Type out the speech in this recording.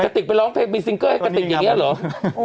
ติกไปร้องเพลงมีซิงเกอร์ให้กระติกอย่างนี้เหรอ